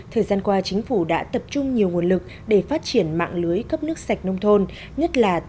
thời gian qua chính phủ đã tập trung nhiều nguồn lực để phát triển mạng lưới cấp nước sạch nông thôn